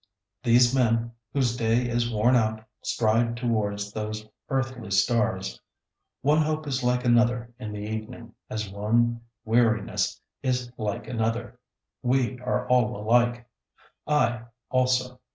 These men, whose day is worn out, stride towards those earthly stars. One hope is like another in the evening, as one weariness is like another; we are all alike. I, also.